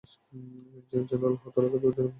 যেন আল্লাহ তাআলা তাদের বিপদ দূর করে দেন।